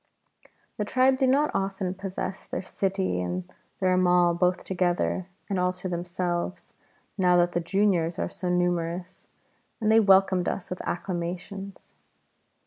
The tribe do not often possess their Sittie and their Ammal both together and all to themselves, now that the juniors are so numerous, and they welcomed us with acclamations.